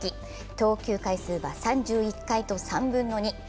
投球回数は３１回と３分の２。